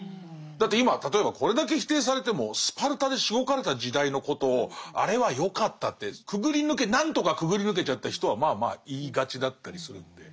だって今例えばこれだけ否定されてもスパルタでしごかれた時代のことを「あれはよかった」って何とかくぐり抜けちゃった人はまあまあ言いがちだったりするんで。